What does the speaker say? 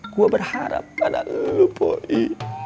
gua berharap pada lu poi